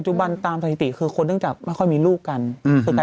ใจความคนเรามันโหดเยี่ยมนี่